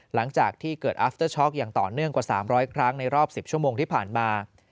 หลังจากที่เกิดอัฟเตอร์ช็อกอย่างต่อเนื่องกว่า๓๐๐ครั้งในรอบ๑๐ชั่วโมงที่ผ่านมา